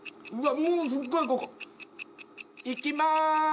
もうすっごいここ。いきます。